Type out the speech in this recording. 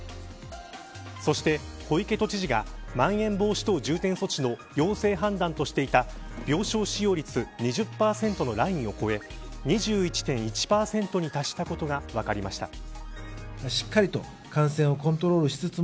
そして、小池都知事がまん延防止等重点措置の要請判断としていた病床使用率２０％のラインを超え２１．１％に達したことが分かりました。